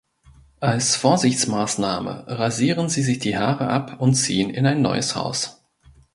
Als Vorsichtsmaßnahme rasieren sie sich die Haare ab und ziehen in ein neues Haus.